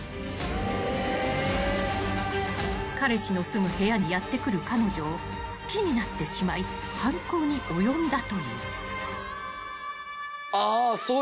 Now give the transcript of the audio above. ［彼氏の住む部屋にやって来る彼女を好きになってしまい犯行に及んだという］あ。